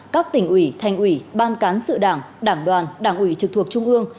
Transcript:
các tỉnh ủy thành ủy ban cán sự đảng đảng đoàn đảng ủy trực thuộc trung ương